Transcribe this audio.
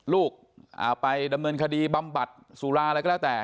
ลูกไปดำเนินคดีบำบัดสุราอะไรก็แล้วแต่